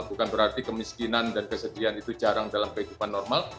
bukan berarti kemiskinan dan kesedihan itu jarang dalam kehidupan normal